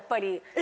え！